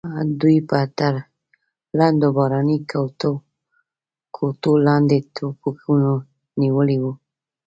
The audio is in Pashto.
دوی به تر لندو باراني کوټو لاندې ټوپکونه نیولي وو.